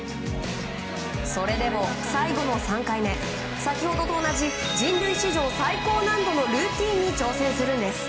それでも最後の３回目先ほどと同じ人類史上最高難度のルーティンに挑戦するんです。